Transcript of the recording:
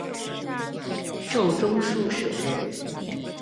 授中书舍人。